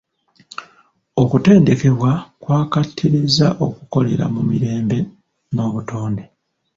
Okuteendekebwa kwakattiriza okukolera mu mirembe n'obutonde.